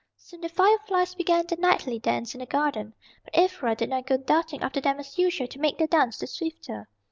Soon the fireflies began their nightly dance in the garden. But Ivra did not go darting after them as usual to make their dance the swifter.